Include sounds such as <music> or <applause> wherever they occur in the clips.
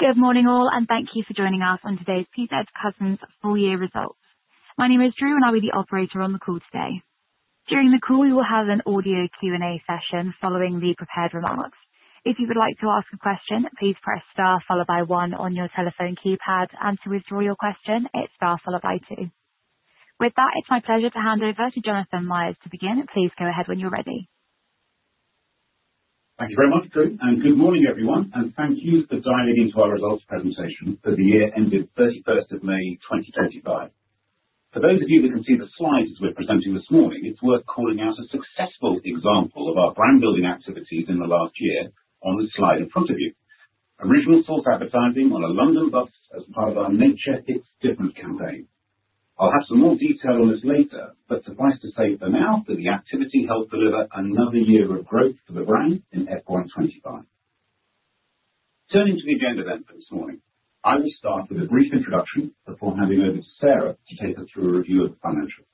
Good morning all, and thank you for joining us on today's PZ Cussons full year results. My name is Drew, and I'll be the operator on the call today. During the call, we will have an audio Q&A session following the prepared remarks. If you would like to ask a question, please press star followed by one on your telephone keypad, and to withdraw your question, hit star followed by two. With that, it's my pleasure to hand over to Jonathan Myers to begin. Please go ahead when you're ready. Thank you very much, Drew, and good morning everyone, and thank you for dialing into our results presentation for the year ending 31st of May 2025. For those of you that can see the slides as we're presenting this morning, it's worth calling out a successful example of our brand-building activities in the last year on the slide in front of you: Original Source advertising on a London bus as part of our Nature Hits Different campaign. I'll have some more detail on this later, but suffice to say for now that the activity helped deliver another year of growth for the brand in FY2025. Turning to the agenda then for this morning, I will start with a brief introduction before handing over to Sarah to take us through a review of the financials.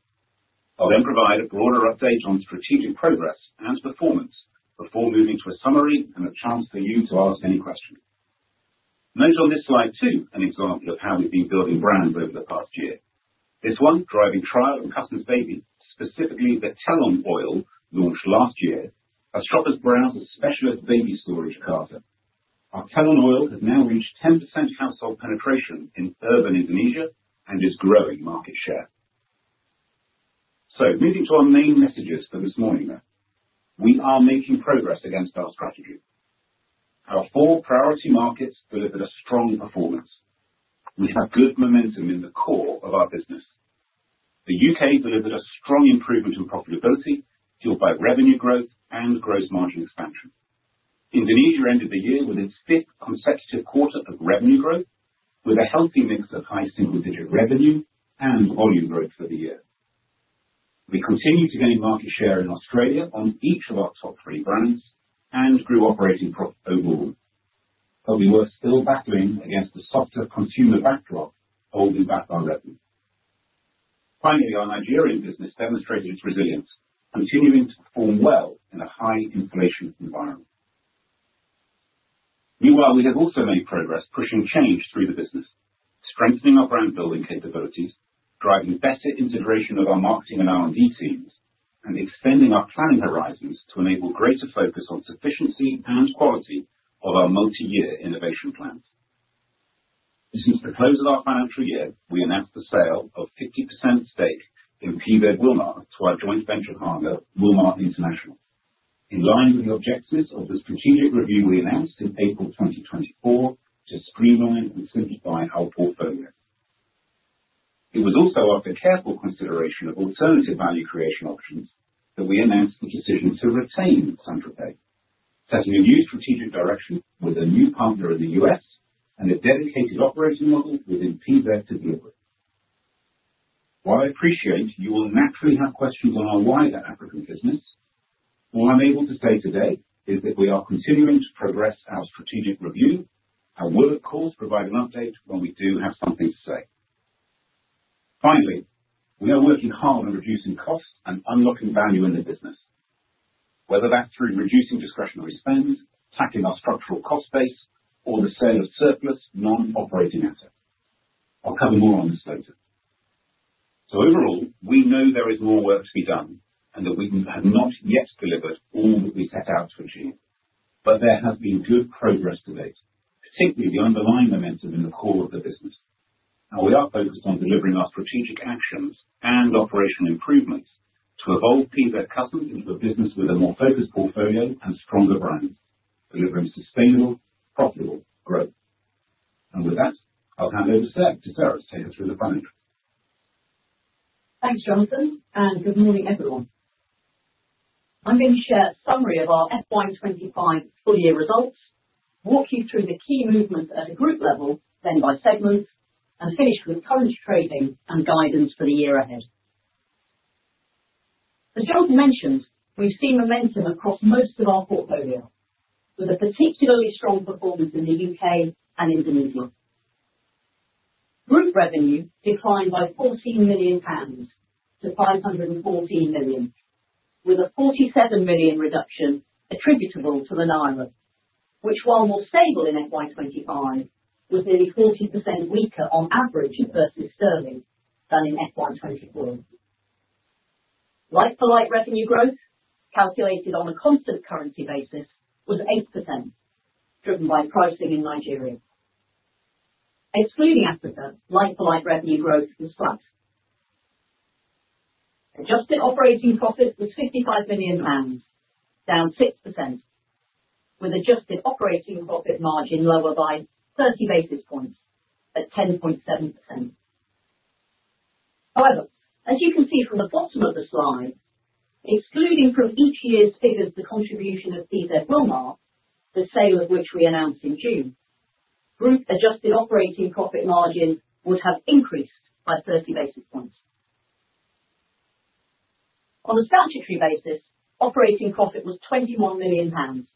I'll then provide a broader update on strategic progress and performance before moving to a summary and a chance for you to ask any questions. Note on this slide too an example of how we've been building brands over the past year. This one, driving trial and Cussons Baby, specifically the Telon Oil, launched last year as shoppers browse a specialist baby storage in Jakarta. Our Telon Oil has now reached 10% household penetration in urban Indonesia and is growing market share. So, moving to our main messages for this morning then, we are making progress against our strategy. Our four priority markets delivered a strong performance. We have good momentum in the core of our business. The U.K. delivered a strong improvement in profitability fueled by revenue growth and gross margin expansion. Indonesia ended the year with a fifth consecutive quarter of revenue growth, with a healthy mix of high single-digit revenue and volume growth for the year. We continued to gain market share in Australia on each of our top three brands and grew operating profit overall, but we were still battling against a softer consumer backdrop holding back our revenue. Finally, our Nigerian business demonstrated its resilience, continuing to perform well in a high inflation environment. Meanwhile, we have also made progress pushing change through the business, strengthening our brand-building capabilities, driving better integration of our marketing and R&D teams, and extending our planning horizons to enable greater focus on sufficiency and quality of our multi-year innovation plans. Since the close of our financial year, we announced the sale of 50% stake in PZ Wilmar to our joint venture partner, Wilmar International, in line with the objectives of the strategic review we announced in April 2024 to streamline and simplify our portfolio. It was also after careful consideration of alternative value creation options that we announced the decision to retain St. Tropez. Setting a new strategic direction with a new partner in the US and a dedicated operating model within PZ to deal with. While I appreciate you will naturally have questions on our wider African business, all I'm able to say today is that we are continuing to progress our strategic review. I will, of course, provide an update when we do have something to say. Finally, we are working hard on reducing costs and unlocking value in the business, whether that's through reducing discretionary spend, tackling our structural cost base, or the sale of surplus non-operating assets. I'll cover more on this later. So overall, we know there is more work to be done and that we have not yet delivered all that we set out to achieve, but there has been good progress to date, particularly the underlying momentum in the core of the business. Now, we are focused on delivering our strategic actions and operational improvements to evolve PZ Cussons into a business with a more focused portfolio and stronger brands, delivering sustainable, profitable growth, and with that, I'll hand over to Sarah to take us through the financials. Thanks, Jonathan, and good morning everyone. I'm going to share a summary of our FY2025 full year results, walk you through the key movements at a group level, then by segments, and finish with current trading and guidance for the year ahead. As Jonathan mentioned, we've seen momentum across most of our portfolio, with a particularly strong performance in the UK and Indonesia. Group revenue declined by 14 to 514 million, with a 47 million reduction attributable to the Naira, which while more stable in FY2025, was nearly 40% weaker on average versus sterling than in FY2024. Like-for-like revenue growth calculated on a constant currency basis, was 8%, driven by pricing in Nigeria. Excluding Africa, like-for-like revenue growth was flat. Adjusted operating profit was 55 million pounds, down 6%, with adjusted operating profit margin lower by 30 basis points at 10.7%. However, as you can see from the bottom of the slide, excluding from each year's figures the contribution of PZ Wilmar, the sale of which we announced in June, group adjusted operating profit margin would have increased by 30 basis points. On a statutory basis, operating profit was 21 million pounds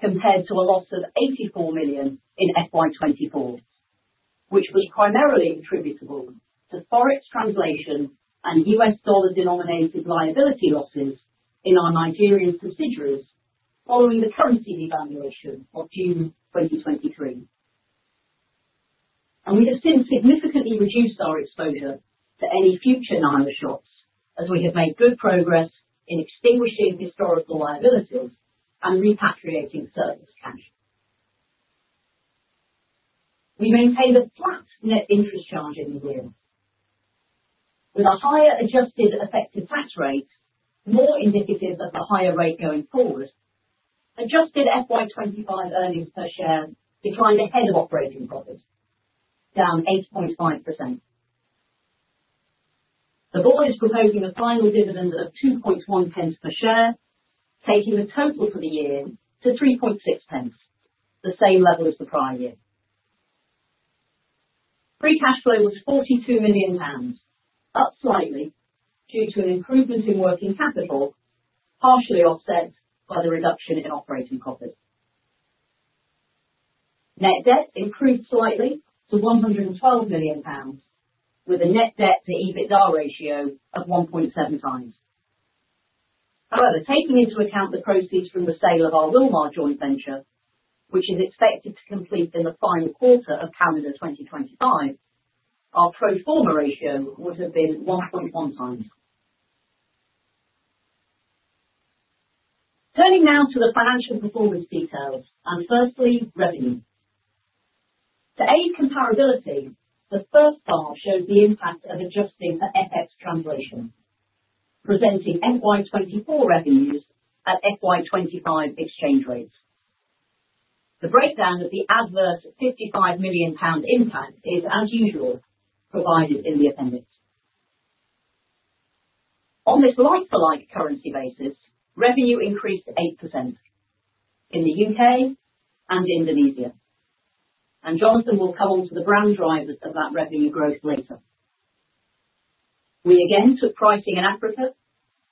compared to a loss of 84 million in FY2024, which was primarily attributable to Forex translation and US dollar-denominated liability losses in our Nigerian subsidiaries following the currency devaluation of June 2023. We have since significantly reduced our exposure to any future Naira shocks, as we have made good progress in extinguishing historical liabilities and repatriating surplus cash. We maintained a flat net interest charge in the year. With a higher adjusted effective tax rate, more indicative of a higher rate going forward, adjusted FY2025 earnings per share declined ahead of operating profit, down 8.5%. The board is proposing a final dividend of 2.10 per share, taking the total for the year to 3.60, the same level as the prior year. Free cash flow was GBP 42 million, up slightly due to an improvement in working capital, partially offset by the reduction in operating profit. Net debt improved slightly to 112 million pounds, with a net debt to EBITDA ratio of 1.7 times. However, taking into account the proceeds from the sale of our Wilmar joint venture, which is expected to complete in the final quarter of calendar 2025, our pro forma ratio would have been 1.1x. Turning now to the financial performance details, and firstly, revenue. To aid comparability, the first bar shows the impact of adjusting for FX translation, presenting FY2024 revenues at FY2025 exchange rates. The breakdown of the adverse 55 million pound impact is, as usual, provided in the appendix. On this like-for-like currency basis, revenue increased 8% in the UK and Indonesia, and Jonathan will come on to the brand drivers of that revenue growth later. We again took pricing in Africa,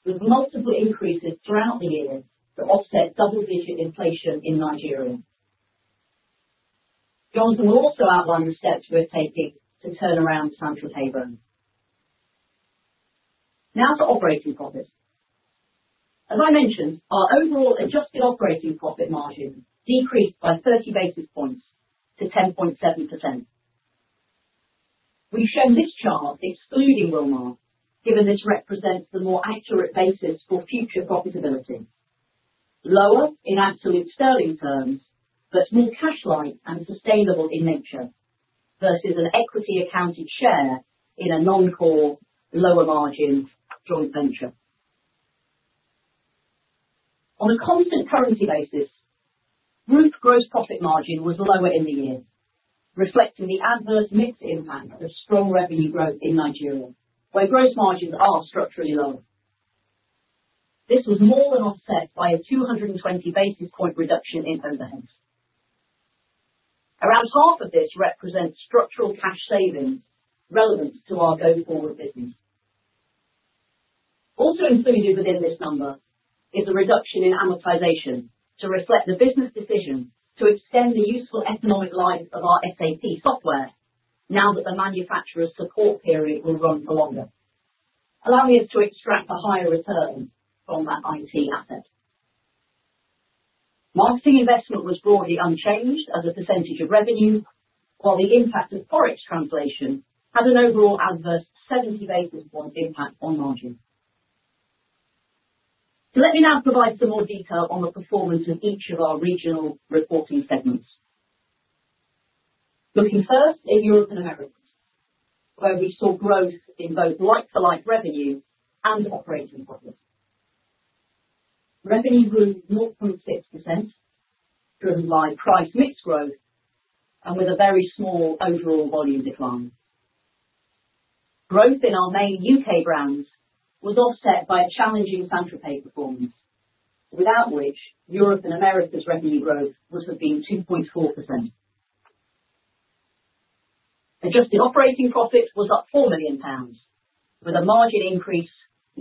with multiple increases throughout the year to offset double-digit inflation in Nigeria. Jonathan will also outline the steps we're taking to turn around St. Tropez brand. Now to operating profit. As I mentioned, our overall adjusted operating profit margin decreased by 30 basis points to 10.7%. We've shown this chart excluding Wilmar, given this represents the more accurate basis for future profitability: lower in absolute sterling terms, but more cash-like and sustainable in nature versus an equity-accounted share in a non-core, lower-margin joint venture. On a constant currency basis, group gross profit margin was lower in the year, reflecting the adverse mixed impact of strong revenue growth in Nigeria, where gross margins are structurally lower. This was more than offset by a 220 basis points reduction in overhead. Around half of this represents structural cash savings relevant to our go forward business. Also included within this number is a reduction in amortization to reflect the business decision to extend the useful economic life of our SAP software now that the manufacturer's support period will run for longer. Allowing us to extract a higher return from that IT asset. Marketing investment was broadly unchanged as a percentage of revenue, while the impact of Forex translation had an overall adverse 70 basis points impact on margin. So let me now provide some more detail on the performance of each of our regional reporting segments. Looking first at Europe and America, where we saw growth in both like-for-like revenue and operating profit. Revenue grew 0.6%, driven by price mix growth and with a very small overall volume decline. Growth in our main UK brands was offset by a challenging St. Tropez performance, without which Europe and America's revenue growth would have been 2.4%. Adjusted Operating Profit was up 4 million pounds, with a margin increase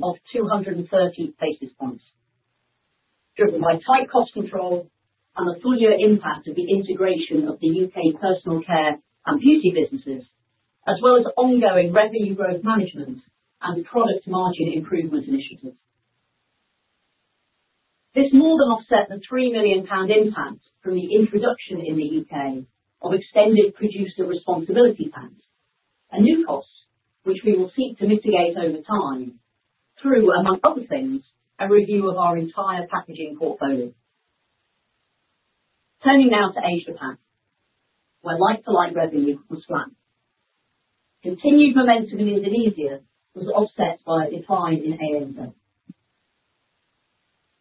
of 230 basis points. Driven by tight cost control and the full year impact of the integration of the UK personal care and beauty businesses, as well as ongoing Revenue Growth Management and product margin improvement initiatives. This more than offset the 3 million pound impact from the introduction in the UK of Extended Producer Responsibility packs, a new cost which we will seek to mitigate over time through, among other things, a review of our entire packaging portfolio. Turning now to Asia Pac, where like-for-like revenue was flat. Continued momentum in Indonesia was offset by a decline in ANZ.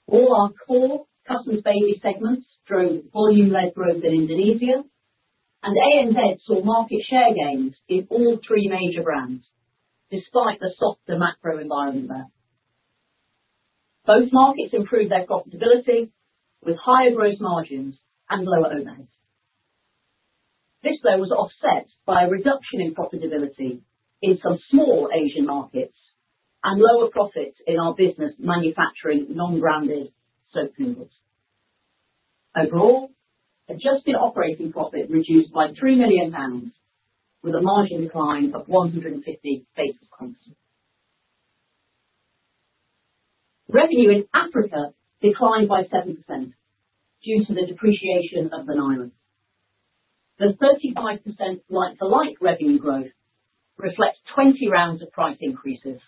All our core Cussons Baby segments drove volume-led growth in Indonesia, and ANZ saw market share gains in all three major brands, despite the softer macro environment there. Both markets improved their profitability with higher gross margins and lower overhead. This, though, was offset by a reduction in profitability in some small Asian markets and lower profits in our business manufacturing non-branded soap noodles. Overall, adjusted operating profit reduced by 3 million pounds, with a margin decline of 150 basis points. Revenue in Africa declined by 7% due to the depreciation of the Naira. The 35% like-for-like revenue growth reflects 20 rounds of price increases,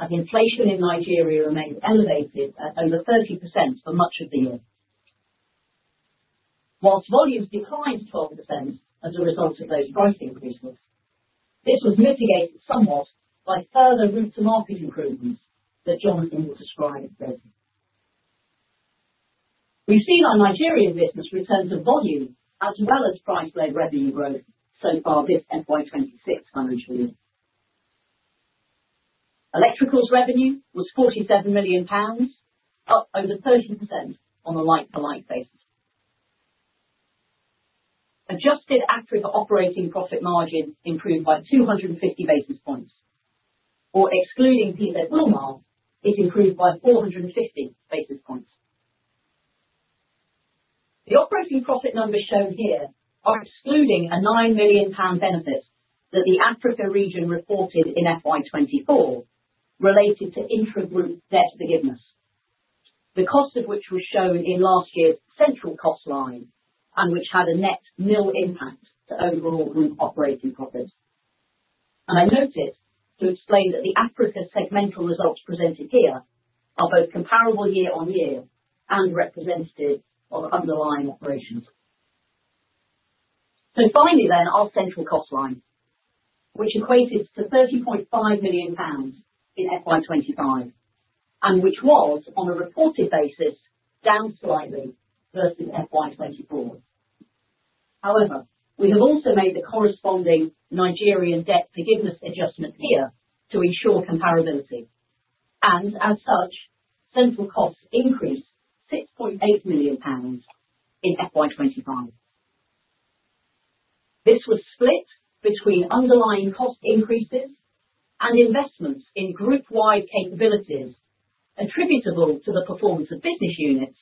as inflation in Nigeria remained elevated at over 30% for much of the year. While volumes declined 12% as a result of those price increases, this was mitigated somewhat by further route-to-market improvements that Jonathan will describe further. We've seen our Nigerian business return to volume, as well as price-led revenue growth so far this FY2026 financial year. Electricals revenue was 47 million pounds, up over 30% on a like-for-like basis. Adjusted Africa operating profit margin improved by 250 basis points. Excluding PZ Wilmar, it improved by 450 basis points. The operating profit numbers shown here are excluding a 9 million pound benefit that the Africa region reported in FY24 related to intragroup debt forgiveness. The cost of which was shown in last year's central cost line and which had a net nil impact to overall group operating profit. And I noted to explain that the Africa segmental results presented here are both comparable year on year and representative of underlying operations. So finally then, our central cost line, which equated to 30.5 million pounds in FY2025 and which was, on a reported basis, down slightly versus FY2024. However, we have also made the corresponding Nigerian debt forgiveness adjustment here to ensure comparability, and as such, central costs increased GBP 6.8 million in FY2025. This was split between underlying cost increases and investments in group-wide capabilities attributable to the performance of business units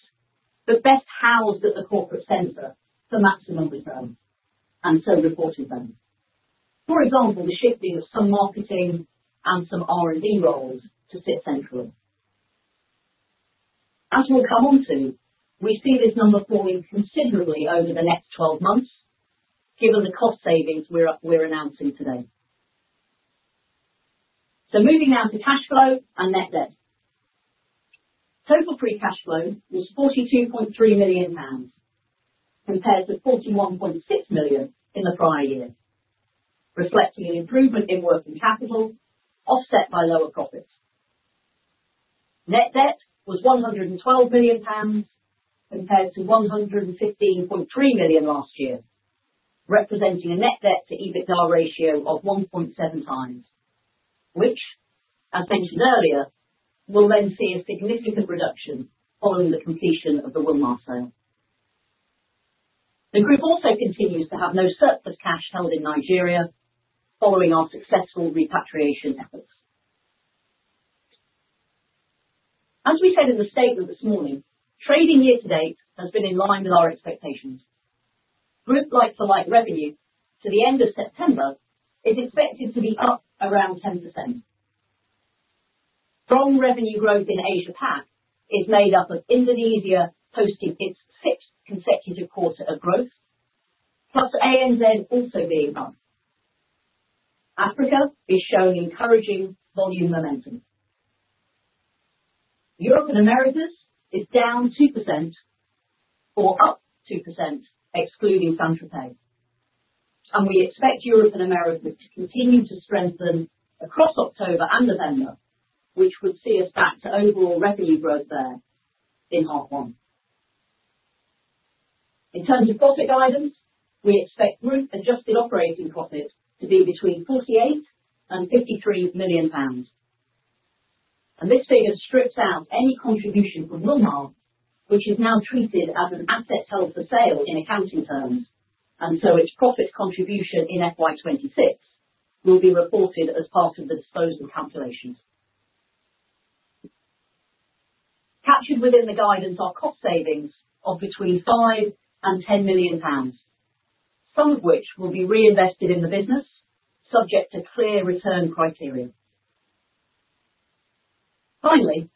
that best housed at the corporate center for maximum return and so reported them. For example, the shifting of some marketing and some R&D roles to sit centrally. As we'll come onto, we see this number falling considerably over the next 12 months, given the cost savings we're announcing today, so moving now to cash flow and net debt. Total free cash flow was GBP 42.3 million compared to GBP 41.6 million in the prior year, reflecting an improvement in working capital offset by lower profits. Net debt was 112 million compared to 115.3 million last year, representing a net debt to EBITDA ratio of 1.7x, which, as mentioned earlier, will then see a significant reduction following the completion of the Wilmar sale. The group also continues to have no surplus cash held in Nigeria following our successful repatriation efforts. As we said in the statement this morning, trading year to date has been in line with our expectations. Group like-for-like revenue to the end of September is expected to be up around 10%. Strong revenue growth in Asia PAC is made up of Indonesia hosting its sixth consecutive quarter of growth, plus ANZ also being up. Africa is shown encouraging volume momentum. Europe and Americas is down 2% or up 2%, excluding St. Tropez, and we expect Europe and Americas to continue to strengthen across October and November, which would see us back to overall revenue growth there in half one. In terms of profit guidance, we expect group adjusted operating profit to be between 48 and 53 million. This figure strips out any contribution from Wilmar, which is now treated as an asset held for sale in accounting terms, and so its profit contribution in FY2026 will be reported as part of the disposal calculations. Captured within the guidance are cost savings of between 5 and 10 million, some of which will be reinvested in the business, subject to clear return criteria. Finally,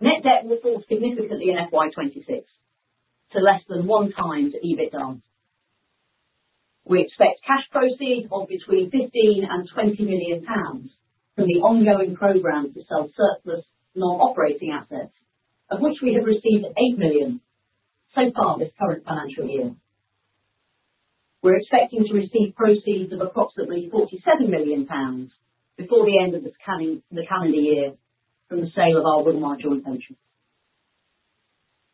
net debt will fall significantly in FY2026 to less than one times EBITDA. We expect cash proceeds of between 15 to 20 million from the ongoing program to sell surplus non-operating assets, of which we have received 8 million so far this current financial year. We're expecting to receive proceeds of approximately 47 million pounds before the end of the calendar year from the sale of our Wilmar joint venture.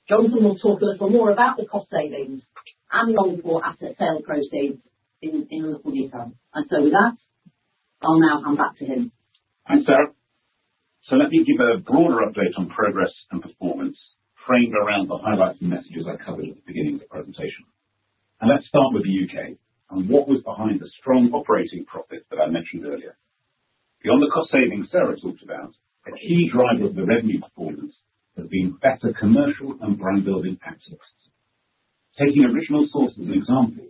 Jonathan will talk a little more about the cost savings and long-form asset sale proceeds in a little detail, and so with that, I'll now hand back to him. Thanks, Sarah, so let me give a broader update on progress and performance framed around the highlights and messages I covered at the beginning of the presentation. Let's start with the UK and what was behind the strong operating profit that I mentioned earlier. Beyond the cost savings Sarah talked about, a key driver of the revenue performance has been better commercial and brand-building access. Taking Original Source as an example.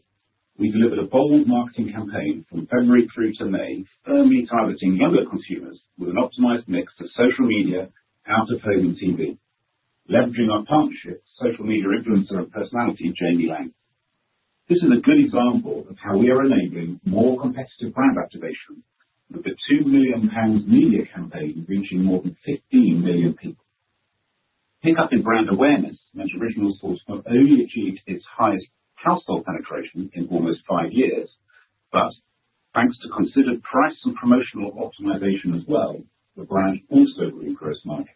We delivered a bold marketing campaign from February through to May, firmly targeting younger consumers with an optimized mix of social media, out-of-home and TV, leveraging our partnership with social media influencer and personality Jamie Laing. This is a good example of how we are enabling more competitive brand activation, with the 2 million pounds media campaign reaching more than 15 million people. Pick-up in brand awareness meant Original Source not only achieved its highest household penetration in almost five years, but thanks to considered price and promotional optimization as well, the brand also grew across the market.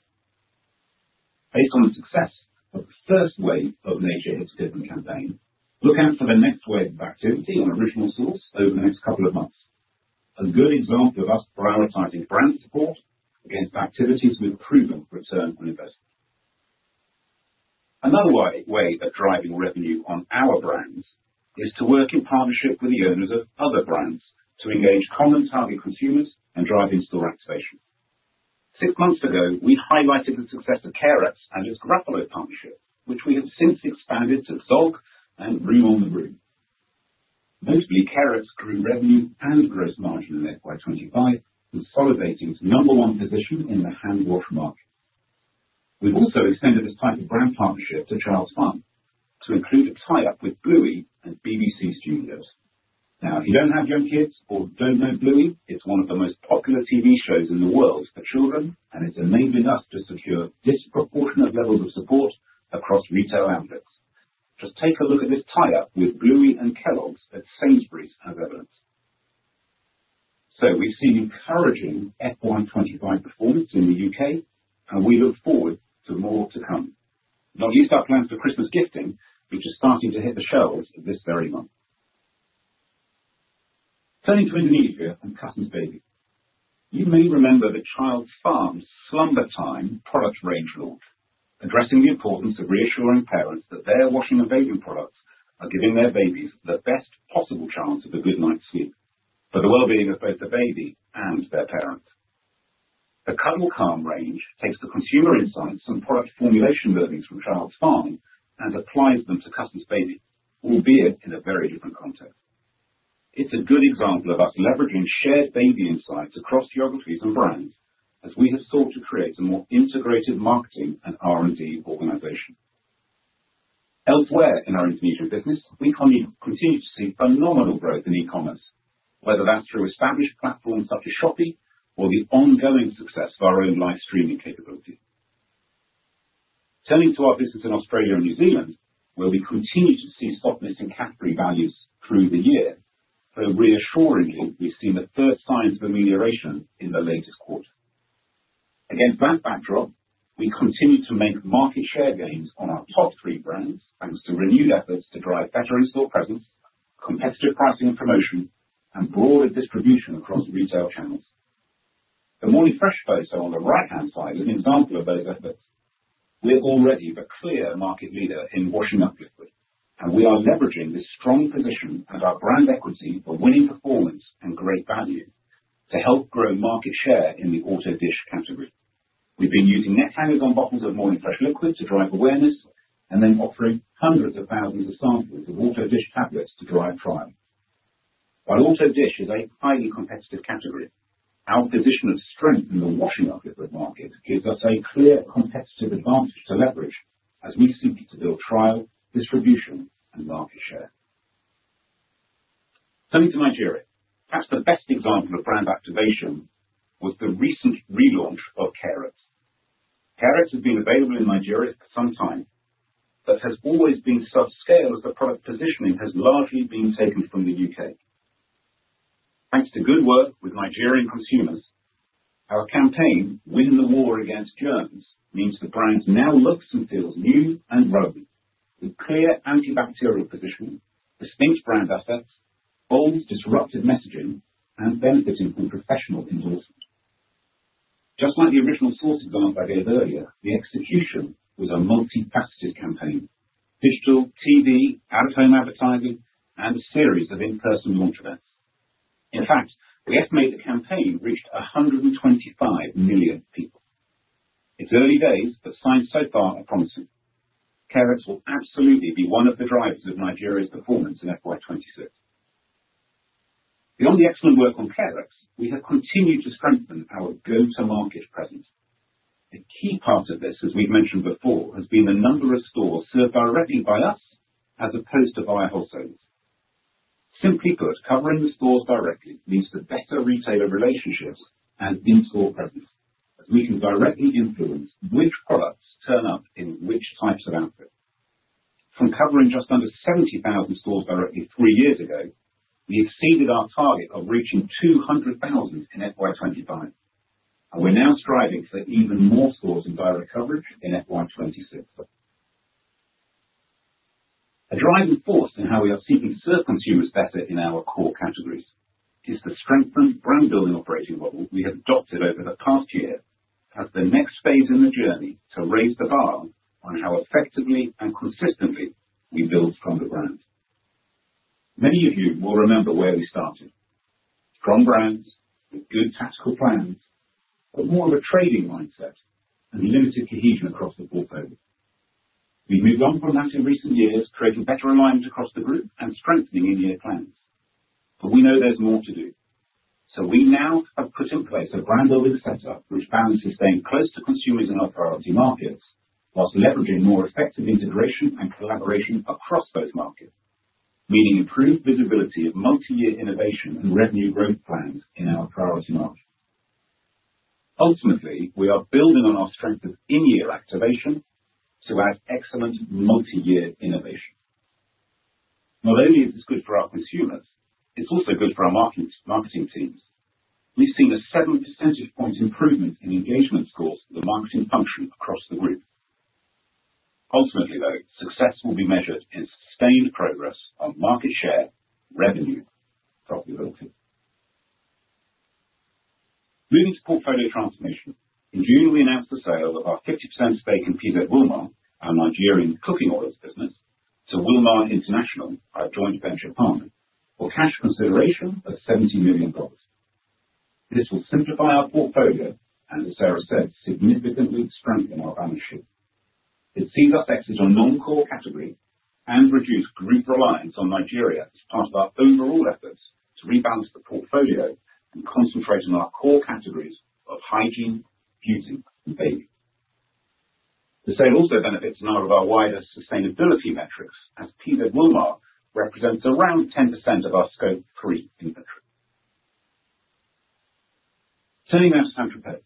Based on the success of the first wave of the Nature Hits Different campaign, look out for the next wave of activity on Original Source over the next couple of months. A good example of us prioritizing brand support against activities with proven return on investment. Another way of driving revenue on our brands is to work in partnership with the owners of other brands to engage common target consumers and drive in-store activation. Six months ago, we highlighted the success of Carex and its Gruffalo partnership, which we have since expanded to Zog and Room on the Broom. Notably, Carex grew revenue and gross margin in FY 2025, consolidating its number one position in the handwash market. We have also extended this type of brand partnership to Childs Farm to include a tie-up with Bluey and BBC Studios. Now, if you don't have young kids or don't know Bluey, it's one of the most popular TV shows in the world for children, and it's enabling us to secure disproportionate levels of support across retail outlets. Just take a look at this tie-up with Bluey and Kellogg's at Sainsbury's as evidence. So we've seen encouraging FY2025 performance in the UK, and we look forward to more to come. Now, here's our plans for Christmas gifting, which are starting to hit the shelves this very month. Turning to Indonesia and Cussons Baby, you may remember the Childs Farm SlumberTime product range launch, addressing the importance of reassuring parents that their washing and bathing products are giving their babies the best possible chance of a good night's sleep for the well-being of both the baby and their parents. The Cuddle Calm range takes the consumer insights and product formulation learnings from Childs Farm and applies them to Cussons Baby, albeit in a very different context. It's a good example of us leveraging shared baby insights across geographies and brands as we have sought to create a more integrated marketing and R&D organization. Elsewhere in our Indonesian business, we continue to see phenomenal growth in e-commerce, whether that's through established platforms such as Shopee or the ongoing success of our own live streaming capability. Turning to our business in Australia and New Zealand, where we continue to see softness in category values through the year, though reassuringly, we've seen the first signs of amelioration in the latest quarter. Against that backdrop, we continue to make market share gains on our top three brands thanks to renewed efforts to drive better in-store presence, competitive pricing and promotion, and broader distribution across retail channels. The Morning Fresh photo on the right-hand side is an example of. <inaudible> We're already the clear market leader in washing up liquid, and we are leveraging this strong position and our brand equity for winning performance and great value to help grow market share in the auto dish category. We've been using neck hangers on bottles of Morning Fresh liquid to drive awareness and then offering hundreds of thousands of samples of auto dish tablets to drive trial. While auto dish is a highly competitive category, our position of strength in the washing up liquid market gives us a clear competitive advantage to leverage as we seek to build trial, distribution, and market share. Turning to Nigeria, perhaps the best example of brand activation was the recent relaunch of Carex. Carex has been available in Nigeria for some time but has always been subscale as the product positioning has largely been taken from the UK. Thanks to good work with Nigerian consumers, our campaign, Win the War Against Germs, means the brand now looks and feels new and relevant, with clear antibacterial positioning, distinct brand assets, bold disruptive messaging, and benefiting from professional endorsement. Just like the Original Source example I gave earlier, the execution was a multifaceted campaign: digital, TV, out-of-home advertising, and a series of in-person launch events. In fact, we estimate the campaign reached 125 million people. It's early days, but signs so far are promising. Carex will absolutely be one of the drivers of Nigeria's performance in FY2026. Beyond the excellent work on Carex, we have continued to strengthen our go-to-market presence. A key part of this, as we've mentioned before, has been the number of stores served directly by us as opposed to via wholesalers. Simply put, covering the stores directly means the better retailer relationships and in-store presence, as we can directly influence which products turn up in which types of outfits. From covering just under 70,000 stores directly three years ago, we exceeded our target of reaching 200,000 in FY2025, and we're now striving for even more stores in direct coverage in FY2026. A driving force in how we are seeking to serve consumers better in our core categories is the strengthened brand-building operating model we have adopted over the past year as the next phase in the journey to raise the bar on how effectively and consistently we build from the brand. Many of you will remember where we started: strong brands with good tactical plans, but more of a trading mindset and limited cohesion across the portfolio. We've moved on from that in recent years, creating better alignment across the group and strengthening in-year plans. But we know there's more to do. So we now have put in place a brand-building setup which balances staying close to consumers in our priority markets whilst leveraging more effective integration and collaboration across both markets. Meaning, improved visibility of multi-year innovation and revenue growth plans in our priority markets. Ultimately, we are building on our strength of in-year activation to add excellent multi-year innovation. Not only is this good for our consumers, it's also good for our marketing teams. We've seen a 7 percentage point improvement in engagement scores for the marketing function across the group. Ultimately, though, success will be measured in sustained progress on market share, revenue, and profitability. Moving to portfolio transformation, in June we announced the sale of our 50% stake in PZ Wilmar, our Nigerian cooking oils business, to Wilmar International, our joint venture partner, for cash consideration of $70 million. This will simplify our portfolio and, as Sarah said, significantly strengthen our balance sheet. It sees us exit on non-core categories and reduce group reliance on Nigeria as part of our overall efforts to rebalance the portfolio and concentrate on our core categories of hygiene, beauty, and baby. The sale also benefits in our wider sustainability metrics as PZ Wilmar represents around 10% of our Scope 3 inventory. Turning now to St. Tropez.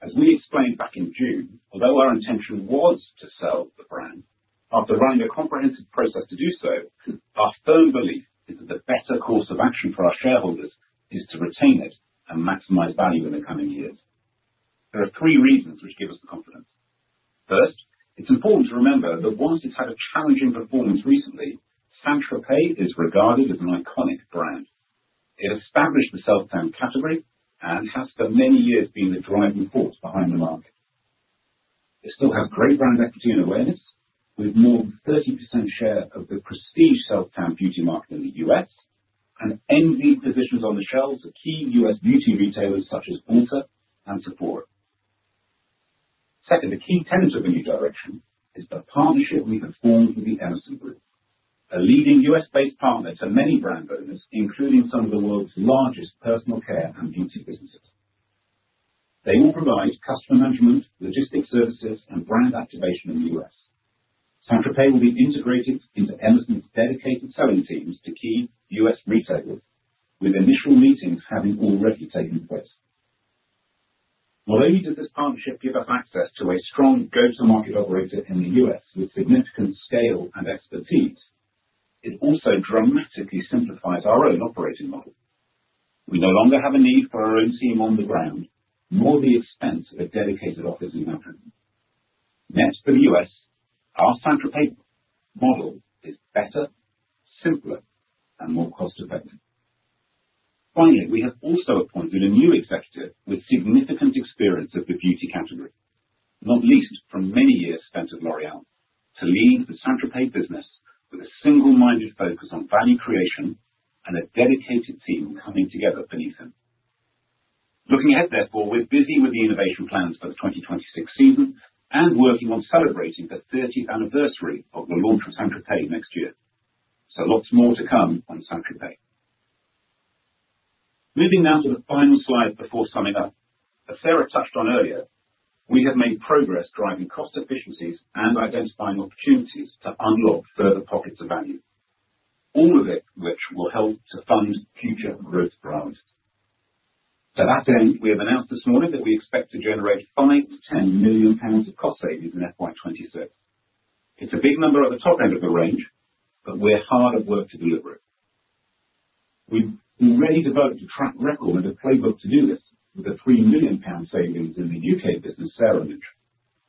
As we explained back in June, although our intention was to sell the brand, after running a comprehensive process to do so, our firm belief is that the better course of action for our shareholders is to retain it and maximize value in the coming years. There are three reasons which give us the confidence. First, it's important to remember that while it's had a challenging performance recently, St. Tropez is regarded as an iconic brand. It established the self-tan category and has for many years been the driving force behind the market. It still has great brand equity and awareness, with more than 30% share of the prestige self-tan beauty market in the US and envied positions on the shelves of key US beauty retailers such as Ulta and Sephora. Second, a key tenet of the new direction is the partnership we have formed with the Emerson Group, a leading US-based partner to many brand owners, including some of the world's largest personal care and beauty businesses. They will provide customer management, logistics services, and brand activation in the US. St. Tropez will be integrated into Emerson's dedicated selling teams to key US retailers, with initial meetings having already taken place. Not only does this partnership give us access to a strong go-to-market operator in the US with significant scale and expertise, it also dramatically simplifies our own operating model. We no longer have a need for our own team on the ground, nor the expense of a dedicated office in London. Next, for the US, our St. Tropez model is better, simpler, and more cost-effective. Finally, we have also appointed a new executive with significant experience of the beauty category. Not least from many years spent at L'Oréal, to lead the St. Tropez business with a single-minded focus on value creation and a dedicated team coming together beneath him. Looking ahead, therefore, we're busy with the innovation plans for the 2026 season and working on celebrating the 30th anniversary of the launch of St. Tropez next year. So lots more to come on St. Tropez. Moving now to the final slide before summing up. As Sarah touched on earlier, we have made progress driving cost efficiencies and identifying opportunities to unlock further pockets of value, all of it which will help to fund future growth for our list. To that end, we have announced this morning that we expect to generate 5 to 10 million of cost savings in FY2026. It's a big number at the top end of the range, but we're hard at work to deliver it. We've already developed a track record and a playbook to do this with the 3 million pound savings in the UK business, Sarah mentioned,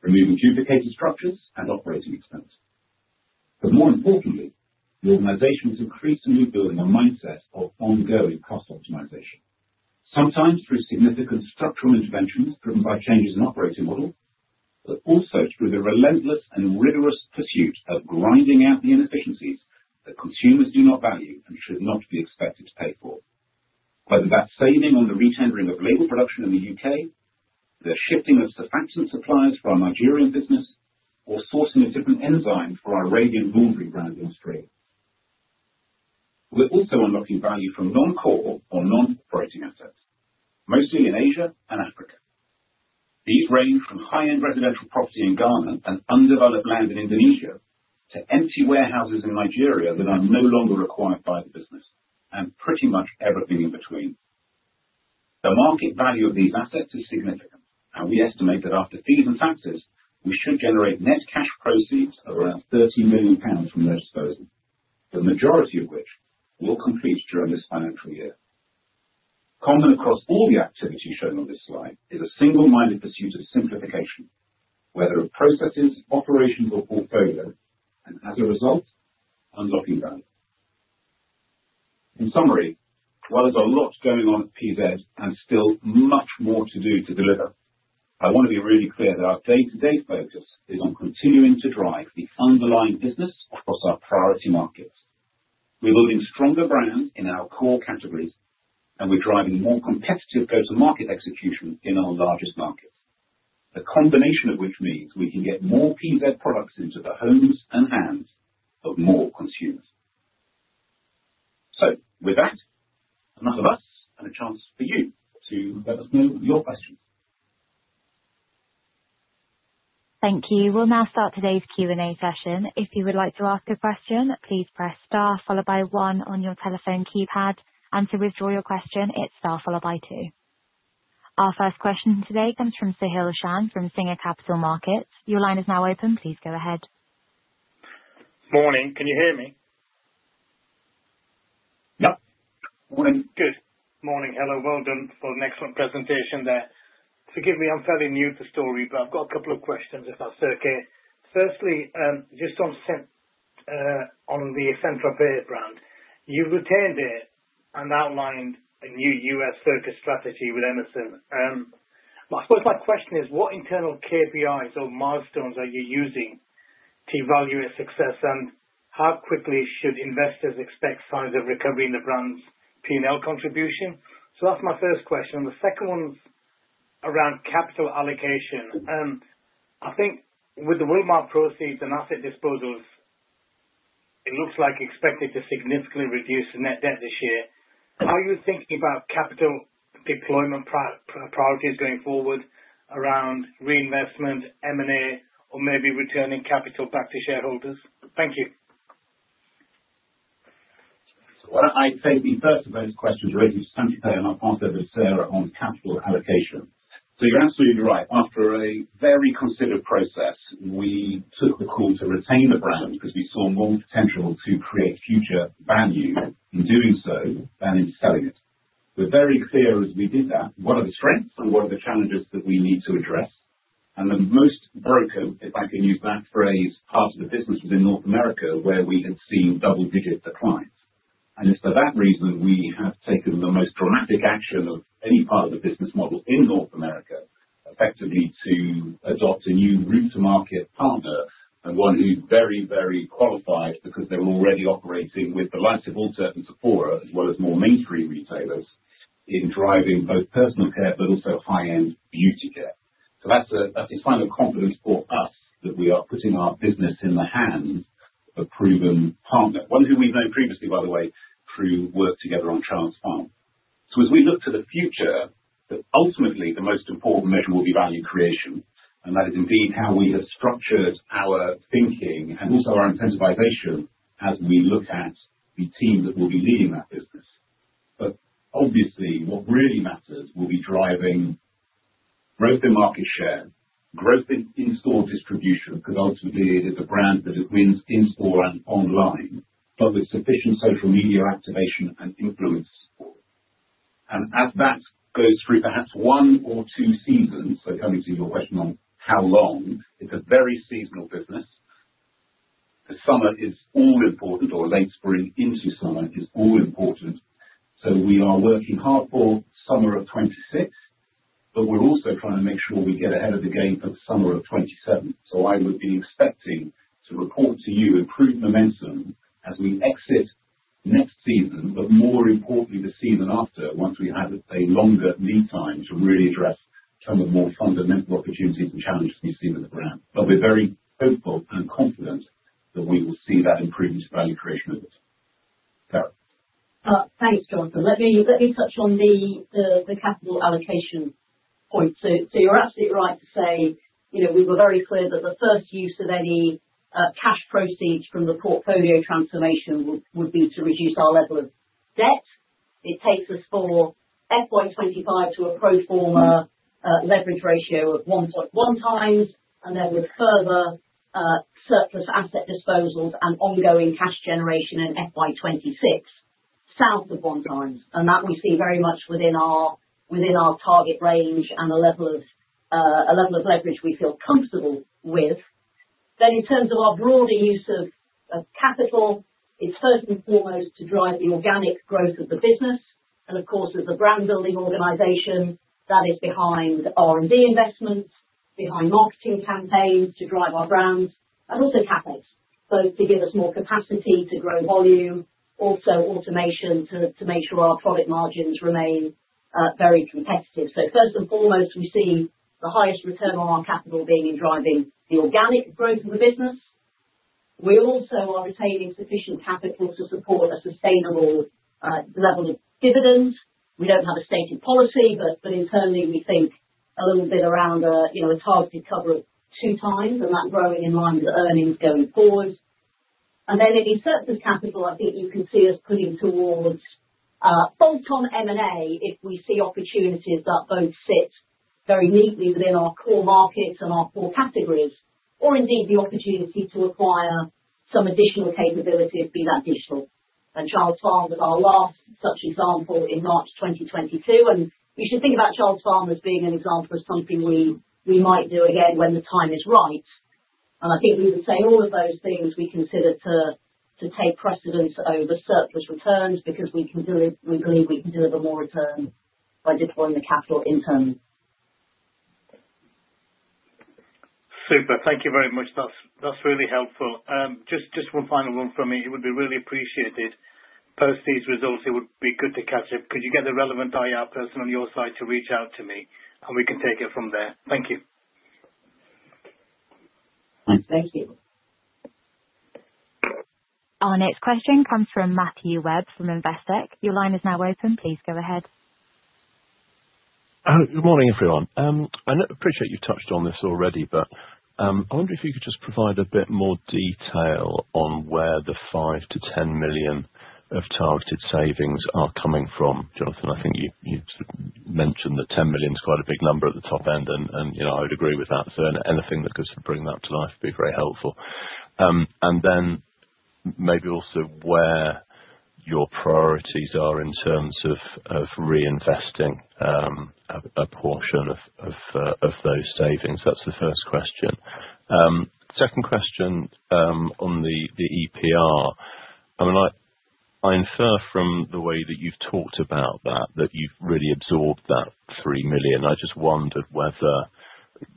removing duplicated structures and operating expense. But more importantly, the organization is increasingly building a mindset of ongoing cost optimization. Sometimes through significant structural interventions driven by changes in operating models, but also through the relentless and rigorous pursuit of grinding out the inefficiencies that consumers do not value and should not be expected to pay for. Whether that's saving on the retendering of label production in the UK, the shifting of surfactant suppliers for our Nigerian business, or sourcing a different enzyme for our <inaudible> brand in Australia. We're also unlocking value from non-core or non-operating assets, mostly in Asia and Africa. These range from high-end residential property in Ghana and undeveloped land in Indonesia to empty warehouses in Nigeria that are no longer required by the business and pretty much everything in between. The market value of these assets is significant, and we estimate that after fees and taxes, we should generate net cash proceeds of around 30 million pounds from their disposal, the majority of which will complete during this financial year. Common across all the activity shown on this slide is a single-minded pursuit of simplification, whether of processes, operations, or portfolio, and as a result, unlocking value. In summary, while there's a lot going on at PZ and still much more to do to deliver, I want to be really clear that our day-to-day focus is on continuing to drive the underlying business across our priority markets. We're building stronger brands in our core categories, and we're driving more competitive go-to-market execution in our largest markets, the combination of which means we can get more PZ products into the homes and hands of more consumers. So with that, enough from us and a chance for you to let us know your questions. Thank you. We'll now start today's Q&A session. If you would like to ask a question, please press star followed by one on your telephone keypad, and to withdraw your question, it's star followed by two. Our first question today comes from Sahill Shan from Singer Capital Markets. Your line is now open. Please go ahead. Morning. Can you hear me? Yep. Morning. Good. Morning. Hello. Well done for an excellent presentation there. Forgive me, I'm fairly new to the story, but I've got a couple of questions, if that's okay. Firstly, just on the St. Tropez brand, you've retained it and outlined a new US growth strategy with Emerson Group. I suppose my question is, what internal KPIs or milestones are you using to evaluate success, and how quickly should investors expect signs of recovery in the brand's P&L contribution? So that's my first question. The second one's around capital allocation. I think with the Wilmar proceeds and asset disposals, it looks like expected to significantly reduce the net debt this year. Are you thinking about capital deployment priorities going forward around reinvestment, M&A, or maybe returning capital back to shareholders? Thank you. So what I'd say to the first of those questions related to St. Tropez and I'll pass over to Sarah on capital allocation. So you're absolutely right. After a very considered process, we took the call to retain the brand because we saw more potential to create future value in doing so than in selling it. We're very clear as we did that. What are the strengths and what are the challenges that we need to address? And the most broken, if I can use that phrase, part of the business was in North America where we had seen double-digit declines. And it's for that reason we have taken the most dramatic action of any part of the business model in North America effectively to adopt a new route-to-market partner and one who's very, very qualified because they were already operating with the likes of Ulta Beauty and Sephora, as well as more mainstream retailers, in driving both personal care but also high-end beauty care. So that's a sign of confidence for us that we are putting our business in the hands of a proven partner. One who we've known previously, by the way, through work together on TransPalm. So as we look to the future, ultimately the most important measure will be value creation, and that is indeed how we have structured our thinking and also our incentivization as we look at the team that will be leading that business. But obviously, what really matters will be driving growth in market share, growth in in-store distribution because ultimately it is a brand that wins in-store and online, but with sufficient social media activation and influence. And as that goes through perhaps one or two seasons, so coming to your question on how long, it's a very seasonal business. The summer is all important, or late spring into summer is all important. So we are working hard for summer of 2026, but we're also trying to make sure we get ahead of the game for the summer of 2027. So I would be expecting to report to you improved momentum as we exit next season, but more importantly, the season after, once we have a longer lead time to really address some of the more fundamental opportunities and challenges we've seen with the brand. But we're very hopeful and confident that we will see that improvement to value creation with it. Sarah. Thanks, Jonathan. Let me touch on the capital allocation point. So you're absolutely right to say we were very clear that the first use of any cash proceeds from the portfolio transformation would be to reduce our level of debt. It takes us for FY2025 to a pro forma leverage ratio of 1.1x, and then with further surplus asset disposals and ongoing cash generation in FY2026, south of 1 times. And that we see very much within our target range and a level of leverage we feel comfortable with. Then in terms of our broader use of capital, it's first and foremost to drive the organic growth of the business. And of course, as a brand-building organization, that is behind R&D investments, behind marketing campaigns to drive our brands, and also CapEx, both to give us more capacity to grow volume, also automation to make sure our product margins remain very competitive. So first and foremost, we see the highest return on our capital being in driving the organic growth of the business. We also are retaining sufficient capital to support a sustainable level of dividends. We don't have a stated policy, but internally we think a little bit around a targeted cover of two times, and that's growing in line with the earnings going forward, and then at least surplus capital, I think <inaudible> is putting towards bolt-on M&A if we see opportunities that both sit very neatly within our core markets and our core categories, or indeed the opportunity to acquire some additional capability, be that digital. And Childs Farm was our last such example in March 2022. And we should think about Childs Farm as being an example of something we might do again when the time is right, and I think we would say all of those things we consider to take precedence over surplus returns because we believe we can deliver more return by deploying the capital internally. Super. Thank you very much. That's really helpful. Just one final one from me. It would be really appreciated. Post these results, it would be good to catch up. Could you get the relevant IR person on your side to reach out to me, and we can take it from there? Thank you. Thank you. Our next question comes from Matthew Webb from Investec. Your line is now open. Please go ahead. Good morning, everyone. I appreciate you touched on this already, but I wonder if you could just provide a bit more detail on where the 5 to 10 million of targeted savings are coming from. Jonathan, I think you mentioned that 10 million is quite a big number at the top end, and I would agree with that. So anything that could sort of bring that to life would be very helpful. And then maybe also where your priorities are in terms of reinvesting a portion of those savings. That's the first question. Second question on the EPR. I mean, I infer from the way that you've talked about that, that you've really absorbed that 3 million. I just wondered whether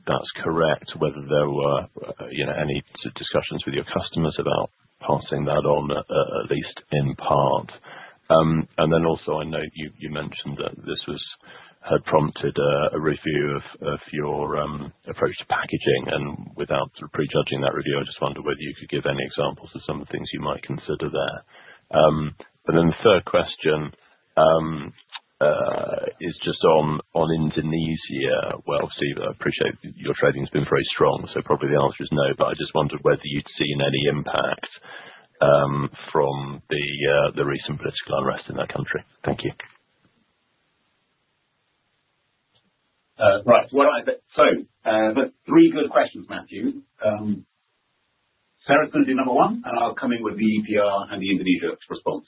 that's correct, whether there were any discussions with your customers about passing that on, at least in part. And then also, I know you mentioned that this had prompted a review of your approach to packaging. And without sort of prejudging that review, I just wondered whether you could give any examples of some of the things you might consider there. And then the third question is just on Indonesia. I appreciate your trading has been very strong, so probably the answer is no, but I just wondered whether you'd seen any impact from the recent political unrest in that country. Thank you. Right. Three good questions, Matthew. Sarah's going to do number one, and I'll come in with the EPR and the Indonesia response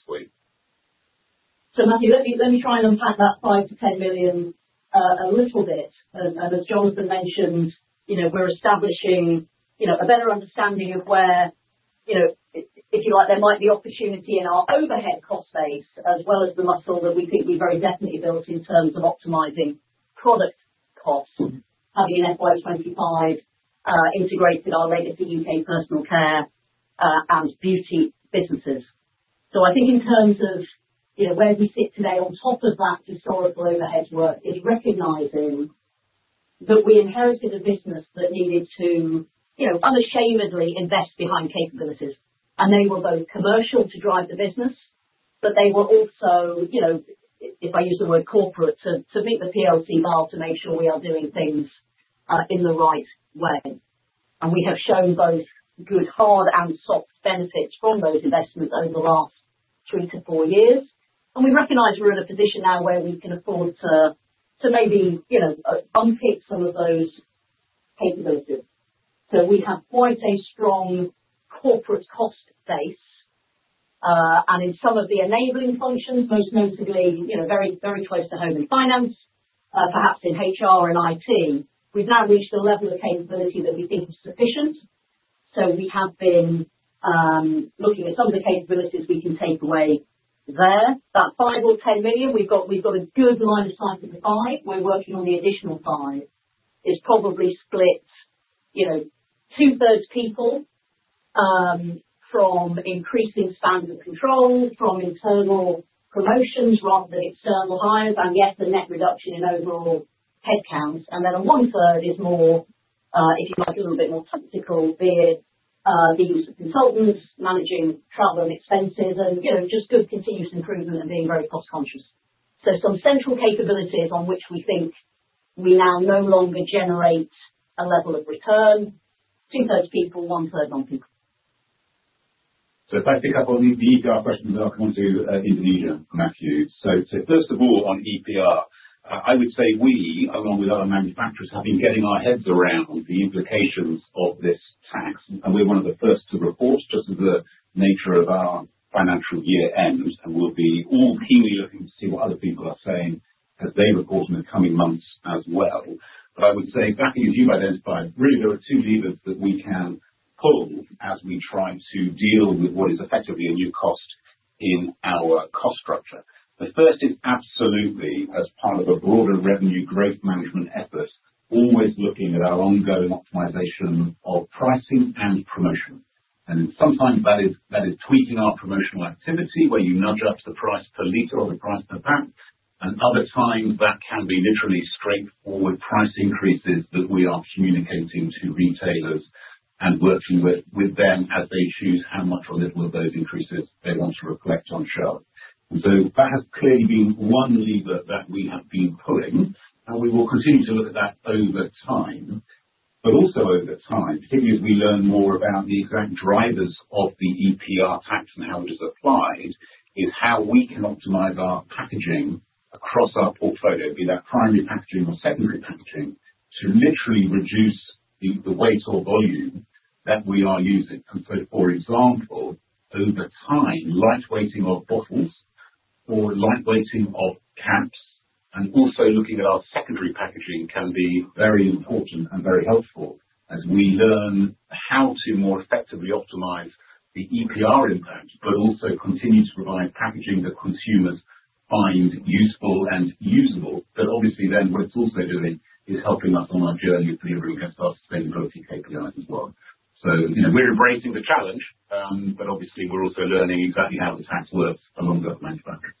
for you. Matthew, let me try and unpack that 5 to 10 million a little bit. As Jonathan mentioned, we're establishing a better understanding of where, if you like, there might be opportunity in our overhead cost base as well as the muscle that we think we've very definitely built in terms of optimizing product costs, having an FY2025 integrated our legacy UK personal care and beauty businesses. I think in terms of where we sit today on top of that historical overhead work is recognizing that we inherited a business that needed to unashamedly invest behind capabilities. And they were both commercial to drive the business, but they were also, if I use the word corporate, to meet the PLC bar to make sure we are doing things in the right way. And we have shown both good, hard and soft benefits from those investments over the last three to four years. And we recognize we're in a position now where we can afford to maybe unpick some of those capabilities. So we have quite a strong corporate cost base. And in some of the enabling functions, most notably very close to home and finance, perhaps in HR and IT, we've now reached a level of capability that we think is sufficient. We have been looking at some of the capabilities we can take away there. That 5 or 10 million, we've got a good line of sight of the 5. We're working on the additional 5. It's probably split 2/3 people from increasing standard control, from internal promotions rather than external hires, and yes, a net reduction in overall headcount. And then a 1/3 is more, if you like, a little bit more tactical, be it the use of consultants, managing travel and expenses, and just good continuous improvement and being very cost-conscious. Some central capabilities on which we think we now no longer generate a level of return, 2/3 people, 1/3 on people. If I pick up on the EPR question and then I'll come on to Indonesia, Matthew. So first of all, on EPR, I would say we, along with other manufacturers, have been getting our heads around the implications of this tax. And we're one of the first to report, just as the nature of our financial year ends, and we'll be all keenly looking to see what other people are saying as they report in the coming months as well. But I would say, backing as you've identified, really there are two levers that we can pull as we try to deal with what is effectively a new cost in our cost structure. The first is absolutely, as part of a broader revenue growth management effort, always looking at our ongoing optimization of pricing and promotion. And sometimes that is tweaking our promotional activity where you nudge up the price per liter or the price per pound. Other times that can be literally straightforward price increases that we are communicating to retailers and working with them as they choose how much or little of those increases they want to reflect on shelf. So that has clearly been one lever that we have been pulling, and we will continue to look at that over time. Also over time, particularly as we learn more about the exact drivers of the EPR tax and how it is applied, is how we can optimize our packaging across our portfolio, be that primary packaging or secondary packaging, to literally reduce the weight or volume that we are using. And so, for example, over time, lightweighting of bottles or lightweighting of caps, and also looking at our secondary packaging can be very important and very helpful as we learn how to more effectively optimize the EPR impact, but also continue to provide packaging that consumers find useful and usable. But obviously then what it's also doing is helping us on our journey with delivering against our sustainability KPIs as well. So we're embracing the challenge, but obviously we're also learning exactly how the tax works among those manufacturers.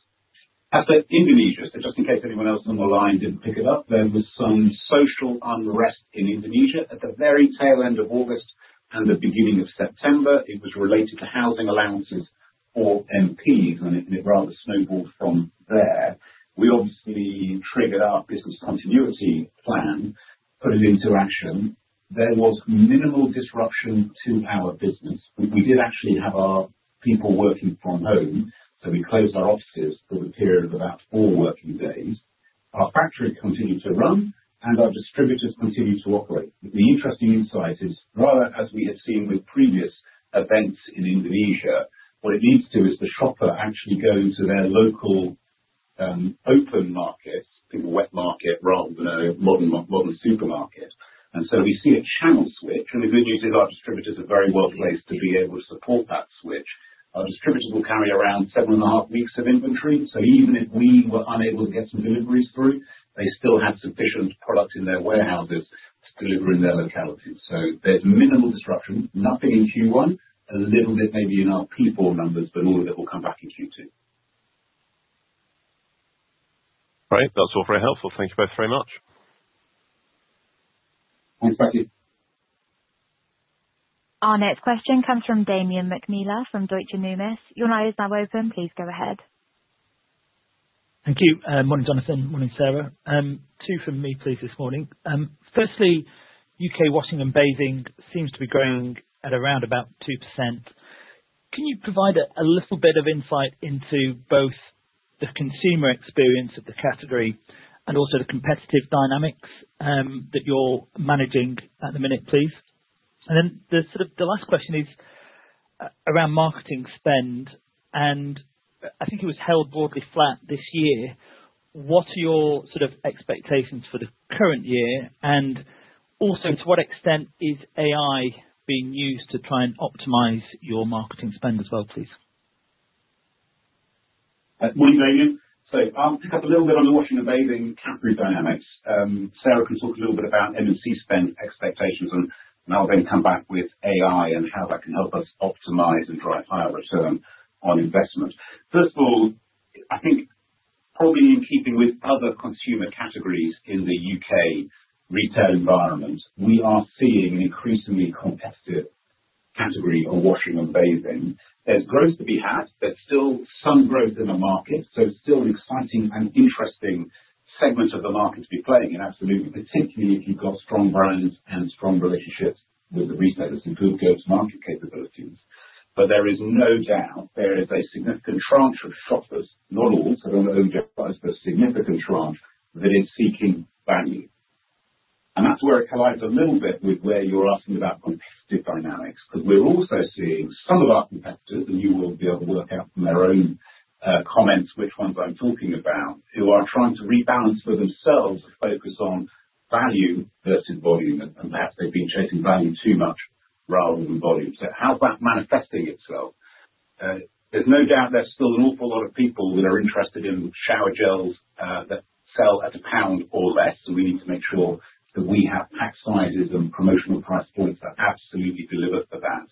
As for Indonesia, so just in case anyone else on the line didn't pick it up, there was some social unrest in Indonesia at the very tail end of August and the beginning of September. It was related to housing allowances for MPs, and it rather snowballed from there. We obviously triggered our business continuity plan, put it into action. There was minimal disruption to our business. We did actually have our people working from home, so we closed our offices for the period of about four working days. Our factories continued to run, and our distributors continued to operate. The interesting insight is, rather as we had seen with previous events in Indonesia, what it leads to is the shopper actually going to their local open markets, think of a wet market rather than a modern supermarket, and so we see a channel switch, and the good news is our distributors are very well placed to be able to support that switch. Our distributors will carry around seven and a half weeks of inventory, so even if we were unable to get some deliveries through, they still had sufficient products in their warehouses to deliver in their locality. So there's minimal disruption, nothing in Q1, a little bit maybe in our people numbers, but all of it will come back in Q2. Great. That's all very helpful. Thank you both very much. Thanks, Matthew. Our next question comes from Damian McNeela from Deutsche Numis. Your line is now open. Please go ahead. Thank you. Morning Jonathan. Morning, Sarah. Two from me, please, this morning. Firstly, UK washing and bathing seems to be growing at around about 2%. Can you provide a little bit of insight into both the consumer experience of the category and also the competitive dynamics that you're managing at the minute, please? And then the last question is around marketing spend, and I think it was held broadly flat this year. What are your sort of expectations for the current year, and also to what extent is AI being used to try and optimize your marketing spend as well, please? Morning, Damian. So I'll pick up a little bit on the washing and bathing category dynamics. Sarah can talk a little bit about M&C spend expectations, and I'll then come back with AI and how that can help us optimize and drive higher return on investment. First of all, I think probably in keeping with other consumer categories in the UK retail environment, we are seeing an increasingly competitive category of washing and bathing. There's growth to be had. There's still some growth in the market, so it's still an exciting and interesting segment of the market to be playing in, absolutely, particularly if you've got strong brands and strong relationships with the retailers and good go-to-market capabilities. But there is no doubt there is a significant tranche of shoppers, not all, so don't own just ones, but a significant tranche that is seeking value. And that's where it collides a little bit with where you're asking about competitive dynamics, because we're also seeing some of our competitors, and you will be able to work out from their own comments which ones I'm talking about. Who are trying to rebalance for themselves a focus on value versus volume, and perhaps they've been chasing value too much rather than volume. So how's that manifesting itself? There's no doubt there's still an awful lot of people that are interested in shower gels that sell at GBP 1 or less, so we need to make sure that we have pack sizes and promotional price points that absolutely deliver for that.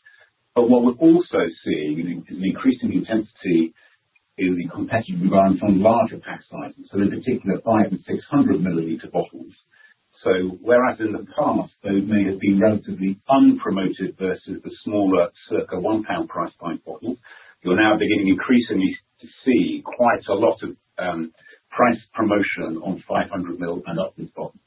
But what we're also seeing is an increasing intensity in the competitive environment on larger pack sizes, so in particular, 500 and 600 milliliter bottles. So whereas in the past they may have been relatively unpromoted versus the smaller circa one-pound price point bottles, you're now beginning increasingly to see quite a lot of price promotion on 500ml and upwards bottles.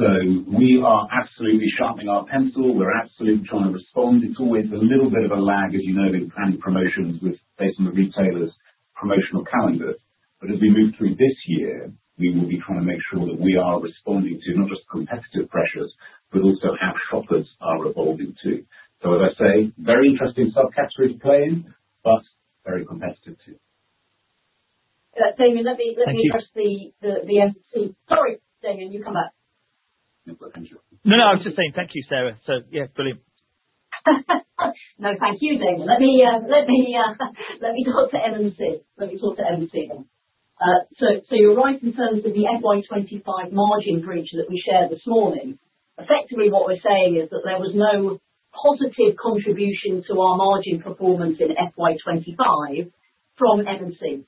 So we are absolutely sharpening our pencil. We're absolutely trying to respond. It's always a little bit of a lag, as you know, in planning promotions based on the retailer's promotional calendar. But as we move through this year, we will be trying to make sure that we are responding to not just competitive pressures, but also how shoppers are evolving too. So as I say, very interesting subcategory to play in, but very competitive too. Damian, let me address the M&C. <crosstalk> Thank you. Sorry, Damian, you come back. No, no, I was just saying thank you, Sarah. So yeah, brilliant. No, thank you, Damien. Let me talk to M&C. Let me talk to M&C then. So you're right in terms of the FY2025 margin bridge that we shared this morning. Effectively, what we're saying is that there was no positive contribution to our margin performance in FY2025 from M&C.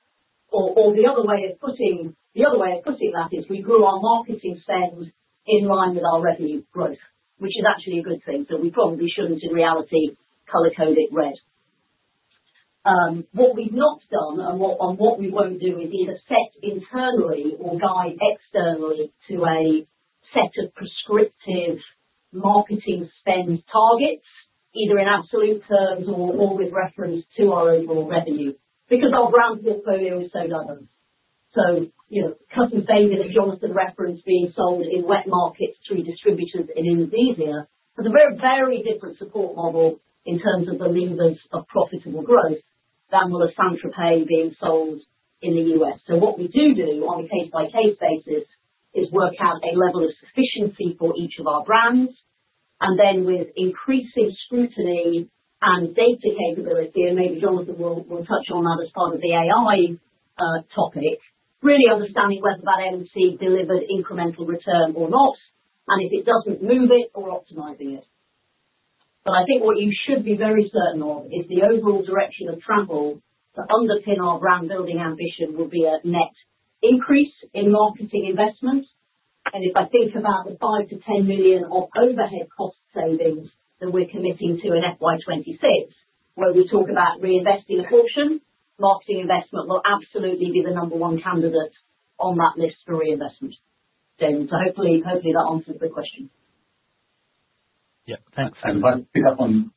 Or the other way of putting that is we grew our marketing spend in line with our revenue growth, which is actually a good thing. So we probably shouldn't, in reality, color code it red. What we've not done and what we won't do is either set internally or guide externally to a set of prescriptive marketing spend targets, either in absolute terms or with reference to our overall revenue, because our brand portfolio is so diverse. Cussons Baby and as Jonathan reference being sold in wet markets through distributors in Indonesia, but a very, very different support model in terms of the levers of profitable growth than will a St. Tropez being sold in the US. What we do do on a case-by-case basis is work out a level of sufficiency for each of our brands, and then with increasing scrutiny and data capability, and maybe Jonathan will touch on that as part of the AI topic. Really understanding whether that M&C delivered incremental return or not, and if it doesn't, move it or optimize it. I think what you should be very certain of is the overall direction of travel to underpin our brand building ambition will be a net increase in marketing investment. If I think about the 5 to 10 million of overhead cost savings that we're committing to in FY2026, where we talk about reinvesting a portion, marketing investment will absolutely be the number one candidate on that list for reinvestment. Damien, so hopefully that answers the question. Yeah, thanks. I pick up on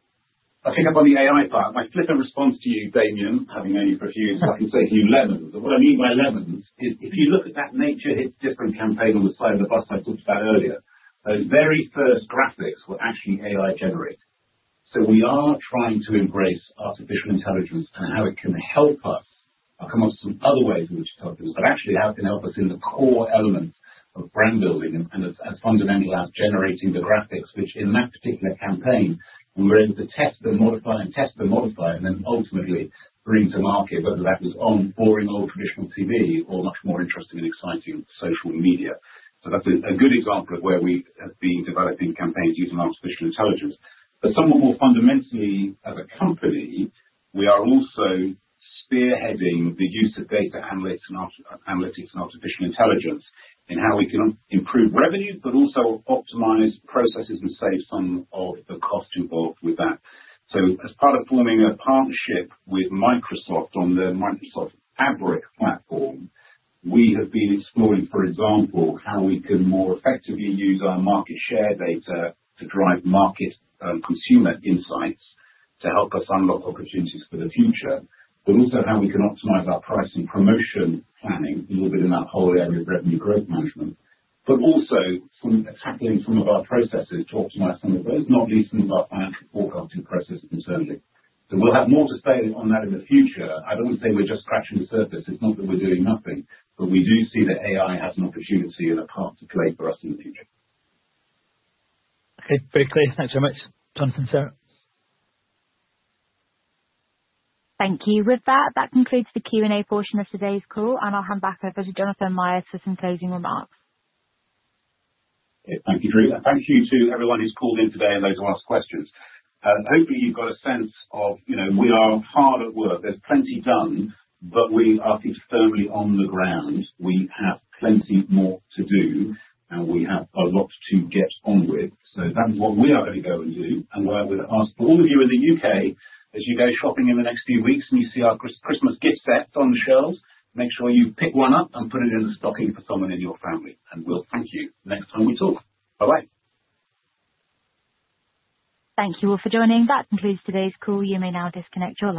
the AI part. My flippant response to you, Damien, having only for a few years, I can say a few lemons. And what I mean by lemons is if you look at that Nature Hits Different campaign on the side of the bus I talked about earlier, those very first graphics were actually AI-generated. So we are trying to embrace artificial intelligence and how it can help us. I'll come on to some other ways in which it's helped us, but actually how it can help us in the core elements of brand building and as fundamental as generating the graphics, which in that particular campaign, we were able to test and modify and test and modify and then ultimately bring to market, whether that was on boring old traditional TV or much more interesting and exciting social media. So that's a good example of where we have been developing campaigns using artificial intelligence. But somewhat more fundamentally, as a company, we are also spearheading the use of data analytics and analytics and artificial intelligence in how we can improve revenue, but also optimize processes and save some of the cost involved with that. As part of forming a partnership with Microsoft on the Microsoft Fabric platform, we have been exploring, for example, how we can more effectively use our market share data to drive market consumer insights to help us unlock opportunities for the future, but also how we can optimize our price and promotion planning a little bit in that whole area of Revenue Growth Management. But also tackling some of our processes to optimize some of those, not least in our financial forecasting process internally. So we'll have more to say on that in the future. I don't want to say we're just scratching the surface. It's not that we're doing nothing, but we do see that AI has an opportunity and a part to play for us in the future. Okay, very clear. Thanks very much, Jonathan and Sarah. Thank you. With that, that concludes the Q&A portion of today's call, and I'll hand back over to Jonathan Myers for some closing remarks. Thank you, Drew. And thank you to everyone who's called in today and those who asked questions. Hopefully, you've got a sense of we are hard at work. There's plenty done, but we are firmly on the ground. We have plenty more to do, and we have a lot to get on with. So that is what we are going to go and do. And we're asking all of you in the UK, as you go shopping in the next few weeks and you see our Christmas gift sets on the shelves, make sure you pick one up and put it in the stocking for someone in your family, and we'll thank you next time we talk. Bye-bye. Thank you all for joining. That concludes today's call. You may now disconnect your line.